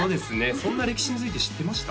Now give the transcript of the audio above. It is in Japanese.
そんな歴史について知ってました？